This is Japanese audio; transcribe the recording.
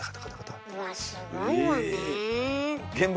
わあすごいわね。